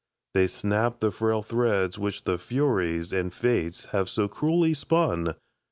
They snap the frail thread which the Furies And Fates have so cruelly spun.